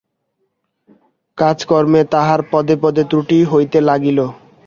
কাজকর্মে তাহার পদে পদে ত্রুটি হইতে লাগিল।